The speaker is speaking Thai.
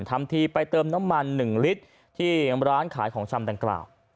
ทำทีไปเติมน้ำมัน๑ลิตรที่ร้านขายของชำดังกล่าว